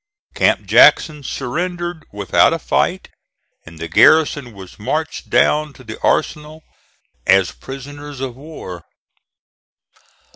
Camp Jackson surrendered without a fight and the garrison was marched down to the arsenal as prisoners of war.